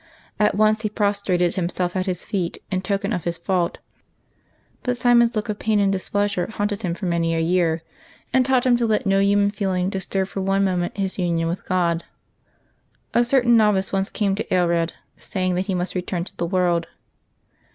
At once he prostrated himself at his feet in token of his fault; but Simon's look of pain and displeasure haunted him for many a year, and taught him to let no human feeling disturb for one moment his union with God. A certain novice once came to Ael red, saying that he must return to the world.